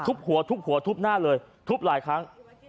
หัวทุบหัวทุบหน้าเลยทุบหลายครั้ง